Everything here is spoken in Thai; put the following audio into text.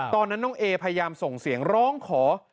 ตอนนั้นน้องเอพยายามส่งเสียงร้องขอ